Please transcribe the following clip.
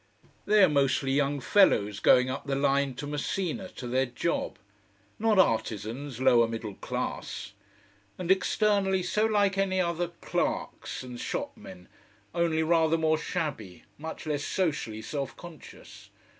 They are mostly young fellows going up the line to Messina to their job: not artizans, lower middle class. And externally, so like any other clerks and shop men, only rather more shabby, much less socially self conscious.